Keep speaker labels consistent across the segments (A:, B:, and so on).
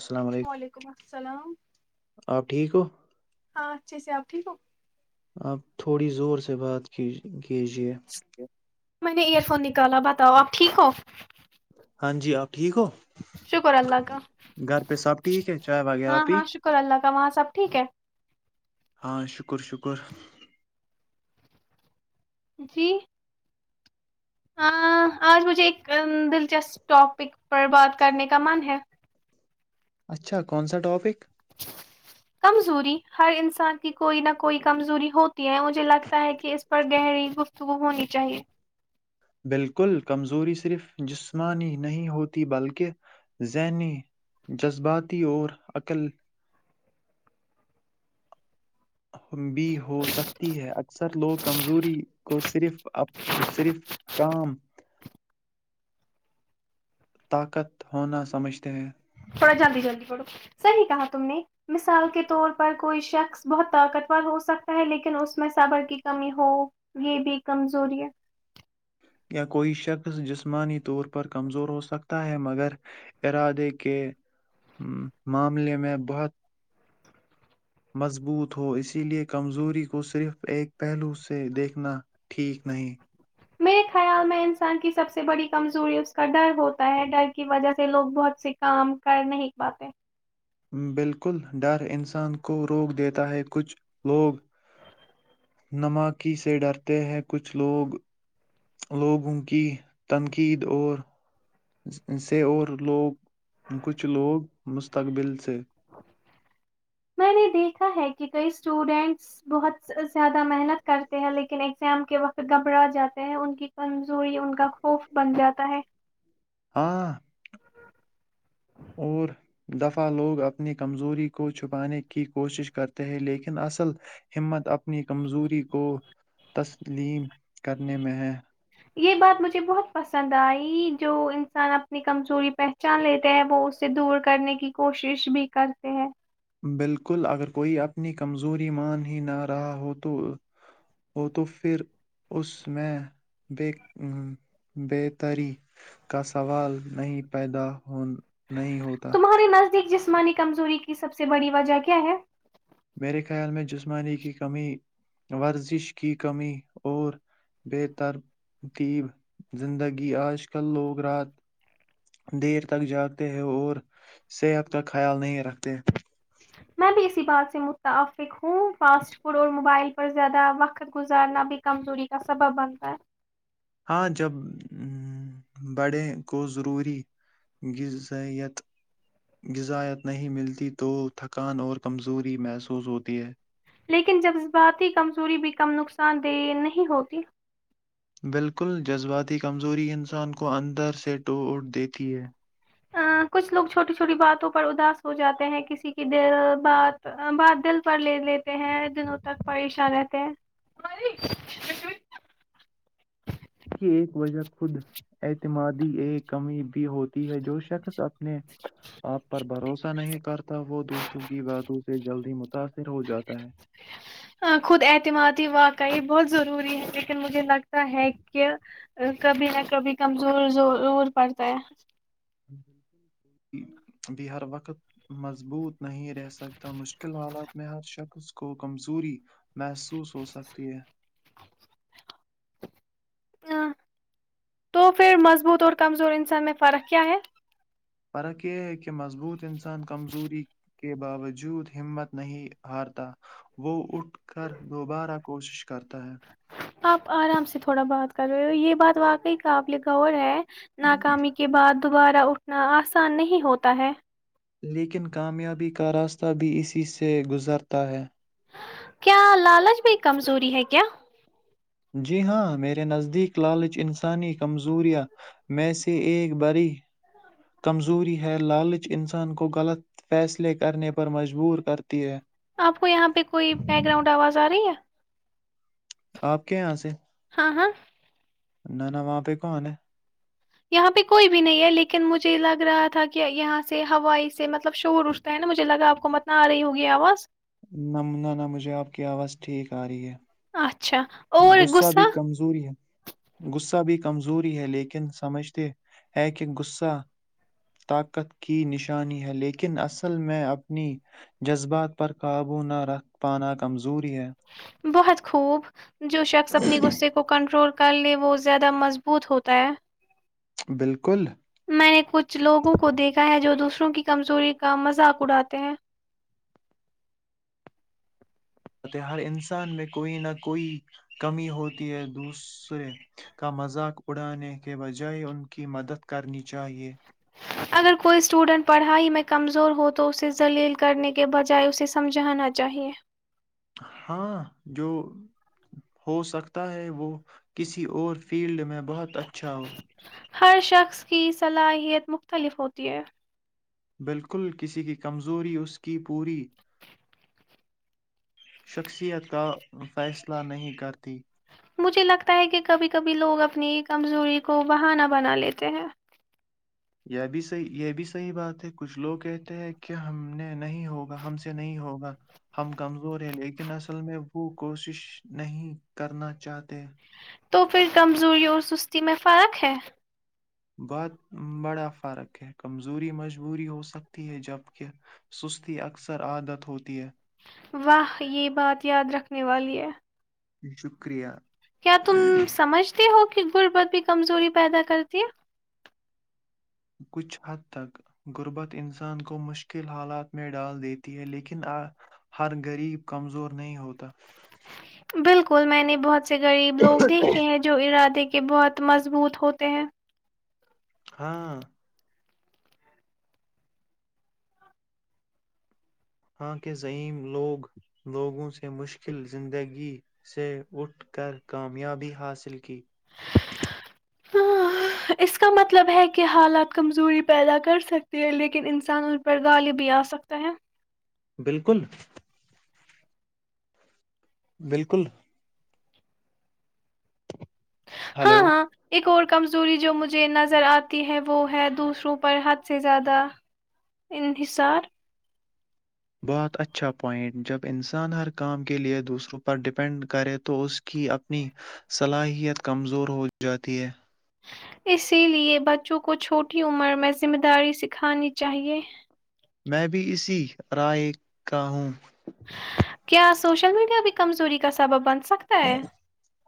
A: السلام علیکم
B: سلام
A: آپ ٹھیک ہو
B: ہاں اچھے سے آپ ٹھیک ہو
A: آپ تھوڑی زور سے بات کی کے جیے
B: میں نے ایئر فون نکالا بتاؤ آپ ٹھیک ہو
A: ہاں جی آپ ٹھیک ہو
B: شکر اللہ کا
A: گھر پہ سب ٹھیک ہے چائے وغیرہ
B: ہاں
A: پی
B: ہاں شکر اللہ کا وہاں سب ٹھیک ہے
A: ہاں شکر شکر
B: جی ہ آج مجھے ایک دلچسپ ٹاپک پر بات کرنے کا من ہے
A: اچھا کون سا ٹاپک
B: کمزوری ہر انسان کی کوئی نہ کوئی کمزوری ہوتی ہے مجھے لگتا ہے کہ اس پر گہری گفتگو ہونی چاہیے
A: بالکل کمزوری صرف جسمانی نہیں ہوتی بلکہ ذہنی جذباتی اور عقل بھی ہو سکتی ہے اکثر لوگ کمزوری کو صرف اپ صرف کام طاقت ہونا سمجھتے ہیں
B: تھوڑا جلدی جلدی پڑو صحیح کہا تم نے مثال کے طور پر کوئی شخص بہت طاقتور ہو سکتا ہے لیکن اس میں صبر کی کمی ہو یہ بھی کمزوری ہے
A: یا کوئی شخص جسمانی طور پر کمزور ہو سکتا ہے مگر ارادے کے معاملے میں بہت مضبوط ہو اسی لیے کمزوری کو صرف ایک پہلو سے دیکھنا ٹھیک نہیں
B: میرے خیال میں انسان کی سب سے بڑی کمزوری اس کا ڈر ہوتا ہے ڈر کی وجہ سے لوگ بہت سے کام کر نہیں پاتے
A: بالکل ڈر انسان کو روک دیتا ہے کچھ لوگ نماکی سے ڈرتے ہیں کچھ لوگ لوگوں کی تنقید اور سے اور لوگ کچھ لوگ مستقبل سے
B: میں نے دیکھا ہے کہ کئی اسٹوڈینٹس بہت زیادہ محنت کرتے ہیں لیکن ایگزام کے وقت گھبرا جاتے ہیں ان کی کمزوری ان کا خوف بن جاتا ہے
A: ہاں اور دفع لوگ اپنی کمزوری کو چھپانے کی کوشش کرتے ہیں لیکن اصل ہمت اپنی کمزوری کو تسلیم کرنے میں ہے
B: یہ بات مجھے بہت پسند آئی جو انسان اپنی کمزوری پہچان لیتے ہیں وہ اس سے دور کرنے کی کوشش بھی کرتے ہیں
A: بالکل اگر کوئی اپنی کمزوری مان ہی نہ رہا ہو تو ہو تو پھر اس میں بے بہتری کا سوال نہیں پیدا ہو نہیں ہوتا
B: تمہارے نزدیک جسمانی کمزوری کی سب سے بڑی وجہ کیا ہے
A: میرے خیال میں جسمانی کی کمی ورزش کی کمی اور بے ترتیب زندگی آج کل لوگ رات دیر تک جاگتے ہیں اور صحت کا خیال نہیں رکھتے
B: میں اسی بات سے متعفق ہ فاس ف اور موبائل پر زیادہ وقت گزارنا بھی کمزوری کا سبب بنتا ہے
A: ہاں جب بڑے کو ضروری غذائیت غذات نہیں ملتی تو تھکان اور کمزوری محسوس ہوتی ہے
B: لیکن جذباتی کمزوری بھی کم نقصان دہ نہیں ہوتی
A: بالکل جذباتی کمزوری انسان کو اندر سے ٹو اٹ دیتی ہے
B: کچھ لوگ چھوٹی چھوٹی باتوں پر اداس ہو جاتے ہیں کسی کی د بات بات دل پر لے لیتے ہیں دنوں تک پریشان رہتے ہیں
A: اس کی ایک وجہ خود اعتمادی ایک کمی بھی ہوتی ہے جو شخص اپنے آپ پر بھروسہ نہیں کرتا وہ دوسروں کی باتوں سے جلدی متاثر ہو جاتا ہے
B: خود اعتمادی واقعی بہت ضروری ہے لیکن مجھے لگتا ہے کہ کبھی نہ کبھی کمزور ضرور پڑتا ہے
A: بھی ہر وقت مضبوط نہیں رہ سکتا مشکل حالات میں ہر شخص کو کمزوری محسوس ہوسکتی ہے
B: ہ تو پھر مضبوط اور کمزور انسان میں فرق کیا ہے
A: فرق یہ ہے کہ مضبوط انسان انسان کمزوری کے باوجود ہمت نہیں ہارتا وہ اٹھ کر دوبارہ کوشش کرتا ہے
B: آپ آرام سے تھوڑا بات کر رہے ہو یہ بات واقعی کاپ لے ور ہے ناکامی کے بعد دوبارہ اٹھنا آسان نہیں ہوتا ہے
A: لیکن کامیابی کا راستہ بھی اسی سے گزرتا ہے
B: کیا لالچ میں کمزوری ہے کیا
A: جی ہاں میرے نزدیک لالچ انسانی کمزوریاں میں سے ایک بڑی کمزوری ہے لالچ انسان کو غلط فیصلے کرنے پر مجبور کرتی ہے
B: آپ کو یہاں پہ کوئی بیک گراؤنڈ آواز آ رہی ہے
A: آپ کے یہاں سے
B: ہاں ہاں
A: نہ نہ وہاں پہ کون ہے
B: یہاں پہ کوئی بھی نہیں ہے لیکن مجھے لگ رہا تھا کہ یہاں سے ہوائی سے مطلب شور اٹھتا ہے نا مجھے لگا آپ کو متن آ رہی ہوگی آواز
A: ن من نہ مجھے آپ کی آواز ٹھیک آ رہی ہے
B: اچھا اور
A: غصہ بھی کمزوری ہے غصہ بھی کمزوری ہے لیکن سمجھتے ہے کہ غصہ طاقت کی نشانی ہے لیکن اصل میں اپنی جذبات پر قابو نہ رکھ پانا کمزوری ہے
B: بہت خوب جو شخص اپنی غصے کو کنٹرول کر کر لیے وہ زیادہ مضبوط ہوتا ہے
A: بالکل
B: میں نے کچھ لوگوں کو دیکھا ہے جو دوسر وں کی کمزوری کا مذاق اڑاتے ہیں
A: ہر انسان میں کوئی نہ کوئی کمی ہوتی ہے دوسرے کا مذاق اڑانے کے بجائے ان کی مدد کرنی چاہیے
B: اگر کوئی اسٹوڈنٹ پڑھائی میں کمزور ہو تو اسے ذلیل کرنے کے بجائے اسے سمجھانا چاہیئے
A: ہاں جو ہوسکتا ہے وہ کسی اور فیلڈ میں بہت اچھا ہو
B: ہر شخص کی صلاحیت مختلف ہوتی ہے
A: بالکل کسی کی کمزوری اس کی پوری شخصیت کا فیصلہ نہیں کرتی
B: مجھے لگتا ہے کہ کبھی کبھی لوگ اپنی کمزوری کو بہانا بنا لیتے ہیں
A: یہ بھی صحیح یہ بھی صحیح بات ہے کچھ لوگ کہتے ہیں کہ ہم نے نہیں ہوگا ہم سے نہیں ہوگا ہم کمزور ہے لیکن اصل میں وہ کوشش نہیں کرنا چاہتے
B: تو پھر کمزوری اور سستی میں فرق ہے
A: بت بڑا فرق ہے کمزوری مجبوری ہو سکتی ہے جبک سستی اکثر عادت ہوتی ہے
B: واہ یہ بات یاد رکھنے والی ہے
A: شکریہ
B: کیا تم سمجھتے ہو کہ بربت بھی کمزوری پیدا کرتی ہے
A: کچھ حد تک غربت انسان کو مشکل حالات میں ڈال دیتی ہے لیکن ہر غریب کمزور نہیں ہوتا
B: بالکل میں نے بہت سے غریب لوگ دیکھتے ہیں جو ارادے کے کہ بہت مضبوط ہوتے ہیں
A: ہاں ہاں کے ضیم لوگ لوگوں سے مشکل زندگی سے اٹھ کر کامیابی حاصل کی
B: ہاں اس کا مطلب ہے کہ حالات کمزوری پیدا کر سکتی ہے لیکن انسان ان پر غالبی آ سکتا ہے
A: بالکل بالکل
B: ہاں
A: ہلو
B: ہاں ایک اور کمزوری جو مجھے نظر آتی ہے وہ ہے دوسروں پر حد سے زیادہ انحصار
A: بہت اچھا پوائنٹ جب انسان ہر کام کے لئے دوسروں پر ڈپینڈ کرے تو اس کی اپنی صلاحیت کمزور ہو جاتی ہے
B: اسی لیے بچوں کو چھوٹی عمر میں ذمہ داری سکھانی چاہیئے
A: میں بھی اسی رائے کا ہوں
B: کیا سوشل میڈیا بھی کمزوری کا سبب بند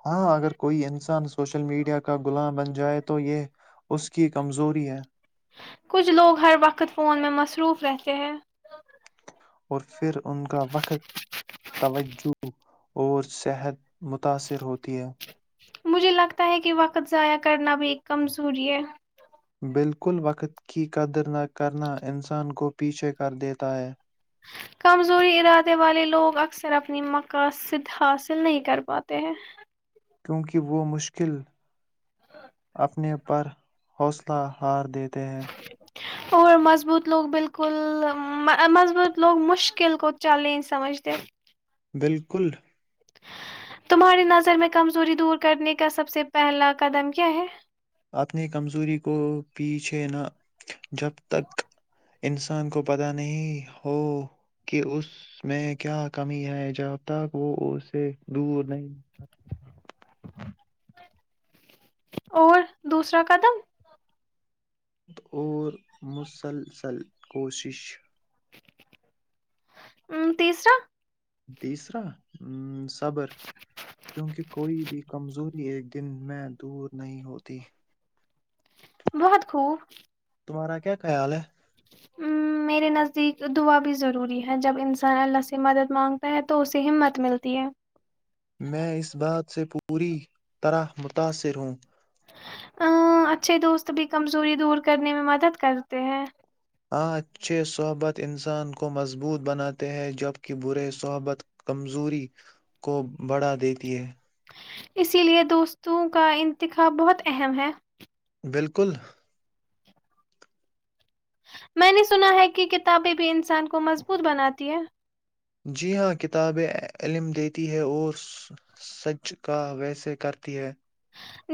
A: ہاں اگر کوئی انسان اس سوشل میڈیا کا گغلام بن جائے تو یہ اس کی کمزوری ہے
B: کچھ لوگ ہر وقت فون میں مصروف رہتے ہیں
A: اور پھر ان کا وقت توجہ اور صحت متاثر ہوتی ہے
B: مجھے لگتا ہے کہ وقت ضائع کرنا بھی ایک کمزوری ہے
A: بالکل وقت کی قدر نہ کرنا انسان کو پیچھے کر دیتا ہے
B: کمزوری ارادے والے لوگ اکثر اپنی مقاصد حاصل نہیں کر پاتے ہیں
A: کیونکہ وہ مشکل اپنے پر حوصلہ ہار کہ [inaudible]
B: اور مضبوط لوگ بالکل مضبوط لوگ مشکل گو چیلنج سمجھتے
A: بالکل
B: تمہاری نظر میں کمزوری دور کرنے کا سب سے پہلا قدم کیا ہے
A: اپنی کمزوری کو پیچھ کہ نہ جب تک انسان کو پتا نہیں ہو کہ اس میں کیا کمی ہے جب تک وہ اسے دور نہیں
B: اور دوسرا قدم
A: اور مسلسل کوشش
B: ا تیسرا
A: تیسرا صبر کیونکہ کوئی بھی کمزوری ایک دن میں دور نہیں ہوتی
B: بہت خوب
A: تمہارا کیا خیال ہے
B: میرے نزدیک دعا بھی ضروری ہے جب انسان الله سے مدد مانگتا ہے توح اسے ہممت ملتی ہے
A: میں اس بات سے پوری طرح متاثر ہوں
B: ا اچھے دوست بھی کمزوری دور کرنے میں مدد کرتے ہیں
A: آاں اچھے صحبت انسان کو مضبوط بناتے ہیں جبک برے صحبت کمزوری کو بڑھا دیتی ہے
B: اسی لیے دوستوں کا انتخاب بہت اہم ہے
A: بالکل
B: میں نے سنا ہے کہ کتابیں بھی انسان کو مضبوط بناتی ہیں
A: جی ہاں کتابیں علم دیتی ہے اور سچ کا ویسے کرتی ہے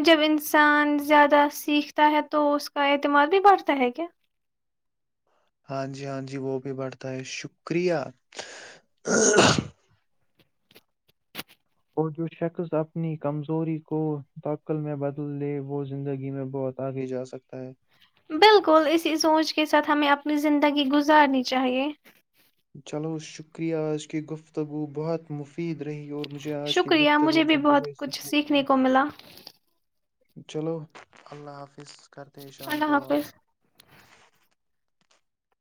B: جب انسان زیادہ سیکھتا ہے تو اس کا اعتماد بھی بڑھتا ہے کیا؟
A: ہاں جی ہاں جی وہ بھی بڑھتا ہے شکریہ۔۔ اور جو شخص اپنی کمزوری کو توقل میں بدل لے وہ زندگی میں بہت آگے جا سکے۔۔
B: بالکل اسی سوچ کے ساتھ ہمیں اپنی زندگی گزارنی چاہیے۔
A: چلو شکریہ آجکی گفتگو بہت مفتید۔۔ فید رہی، اور مجھے آج کے
B: شکریہ
A: گفت روپ
B: بھی
A: سے مجھے
B: بہت کچھ
A: سیکھنے لگیا۔۔
B: کو ملا
A: چلو اللہ حافظ۔۔ س کرتے ہیں شام کو
B: اللہ
A: بات۔۔
B: حافظ